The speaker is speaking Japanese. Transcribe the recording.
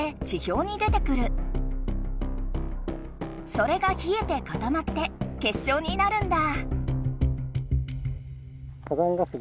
それがひえてかたまって結晶になるんだ。